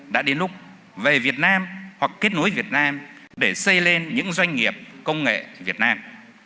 đã đến lúc về việt nam hoặc kết nối việt nam để xây lên những doanh nghiệp công nghệ việt nam